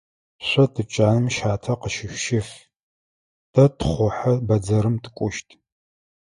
Шъо тучаным щатэ къыщышъущэф, тэ тхъухьэ бэдзэрым тыкӏощт.